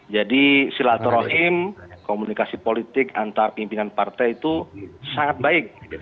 jadi silatorahim komunikasi politik antar pimpinan partai itu sangat baik